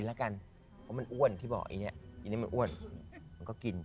เอามากินล่ะกัน